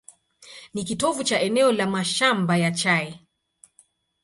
Ni kitovu cha eneo la mashamba ya chai.